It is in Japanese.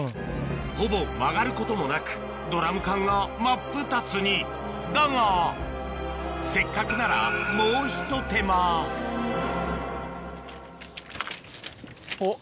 ほぼ曲がることもなくドラム缶が真っ二つにだがせっかくならもうひと手間おっ。